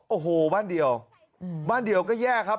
โอ้โหบ้านเดียวบ้านเดียวก็แย่ครับ